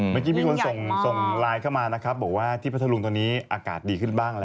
มีคนส่งไลน์เข้ามานะครับบอกว่าที่พัทธรุงตอนนี้อากาศดีขึ้นบ้าง